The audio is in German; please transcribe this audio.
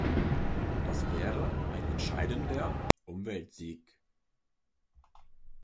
Das wäre ein entscheidender Umweltsieg.